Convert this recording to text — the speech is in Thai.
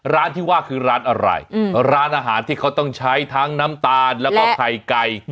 ร้านที่ว่าคือร้านอะไรร้านอาหารที่เขาต้องใช้ทั้งน้ำตาลแล้วก็ไข่ไก่